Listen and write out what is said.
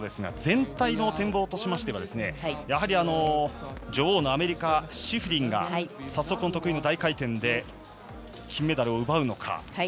全体の展望としてはやはり女王のアメリカ、シフリンが早速、得意の大回転で金メダルを奪うのか。